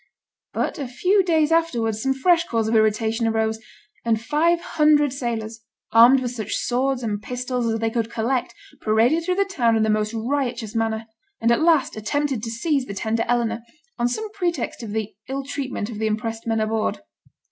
But a few days afterwards some fresh cause of irritation arose, and five hundred sailors, armed with such swords and pistols as they could collect, paraded through the town in the most riotous manner, and at last attempted to seize the tender Eleanor, on some pretext of the ill treatment of the impressed men aboard.